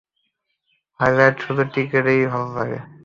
Highlight শুধু ক্রিকেটেই ভালো লাগে।